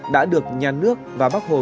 đã được nhà nước và bắc hồ